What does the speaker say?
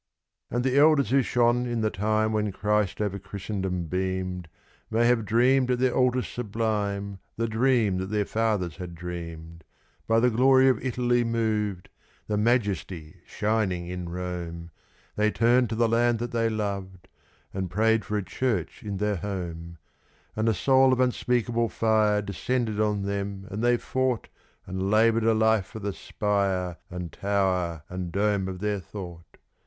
And the Elders who shone in the time when Christ over Christendom beamed May have dreamed at their altars sublime the dream that their fathers had dreamed, By the glory of Italy moved the majesty shining in Rome They turned to the land that they loved, and prayed for a church in their home; And a soul of unspeakable fire descended on them, and they fought And laboured a life for the spire and tower and dome of their thought!